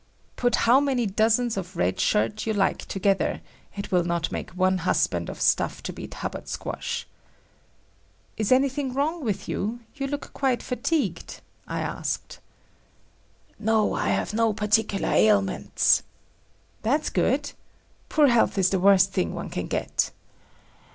Put how many dozens of Red Shirt you like together, it will not make one husband of stuff to beat Hubbard Squash. "Is anything wrong with you? You look quite fatigued," I asked. "No, I have no particular ailments……." "That's good. Poor health is the worst thing one can get."